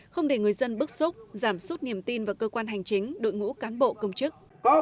không để người dân bức xúc giảm sút niềm tin vào cơ quan hành chính đội ngũ cán bộ công chức